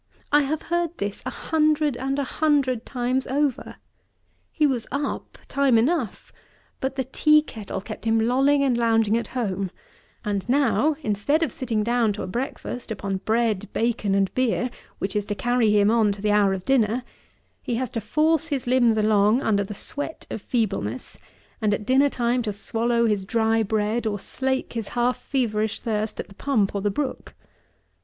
I have heard this a hundred and a hundred times over. He was up time enough; but the tea kettle kept him lolling and lounging at home; and now, instead of sitting down to a breakfast upon bread, bacon, and beer, which is to carry him on to the hour of dinner, he has to force his limbs along under the sweat of feebleness, and at dinner time to swallow his dry bread, or slake his half feverish thirst at the pump or the brook.